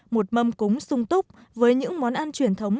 một mâm cúng sung túc với những món ăn truyền thống